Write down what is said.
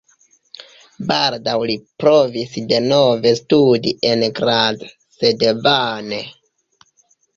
Baldaŭ li provis denove studi en Graz, sed vane.